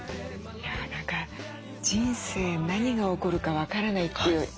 いや何か人生何が起こるか分からないっていう。